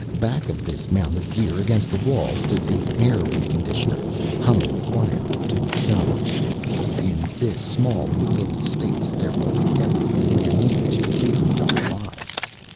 Back of this mound of gear, against the wall, stood the air reconditioner, humming quietly to itself. In this small enclosed space there was everything a man needed to keep himself alive.